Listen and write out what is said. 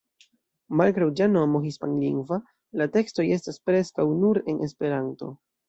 Malgraŭ ĝia nomo hispanlingva, la tekstoj estas preskaŭ nur en Esperanto.